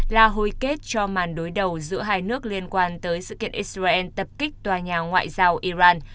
là hồi kết cho màn đối đầu giữa hai nước liên quan tới sự kiện israel tập kích tòa nhà ngoại giao iran